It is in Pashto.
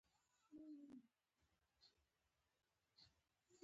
د پښتنو په کلتور کې د پردې تر شا خبری کول دود دی.